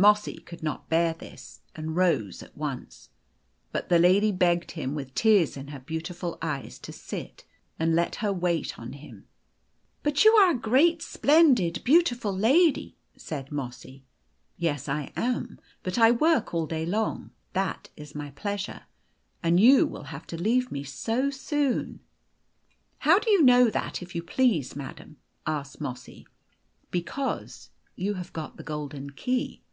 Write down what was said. Mossy could not bear this, and rose at once. But the lady begged him, with tears in her beautiful eyes, to sit, and let her \vait on him. " But you are a great, splendid, beautiful lady," said Mossy. " Yes, I am. But I work all day long that is my pleasure ; and you will have to leave me so soon !"" How do you know that, if you please, madam ?" asked Mossy. " Because you have got the golden key."